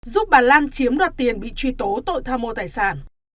giúp bà lan chiếm đoạt tiền bị truy tố tội tham mô tài sản